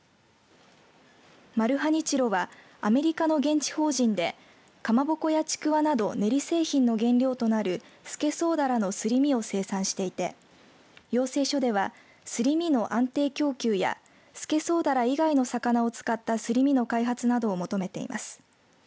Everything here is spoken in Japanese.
マルハニチロはアメリカの現地法人でかまぼこやちくわなど練り製品の原料となるスケソウダラのすり身を生産していて要請書では、すり身の安定供給やスケソウダラ以外の魚を使ったすり身の開発などを求めています。